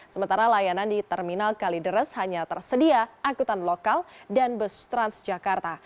sementara layanan di terminal kalideres hanya tersedia akutan lokal dan bus trans jakarta